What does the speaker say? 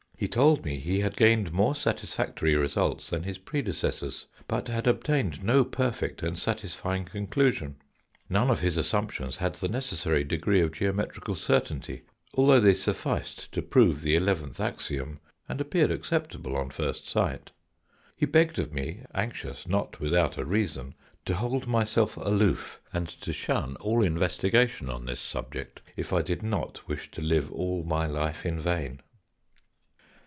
He told me he had gained more satisfactory results than his predecessors, but had obtained no perfect and satisfying conclusion. None of his assumptions had the necessary degree of geometrical certainty, although they sufficed to prove the eleventh axiom and appeared acceptable on first sight. " He begged of me, anxious not without a reason, to hold myself aloof and to shun all investigation on this subject, if I did not wish to live all my life in vain."